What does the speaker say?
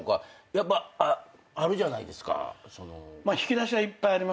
やっぱあるじゃないですか。